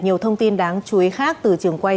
nhiều thông tin đáng chú ý khác từ trường quay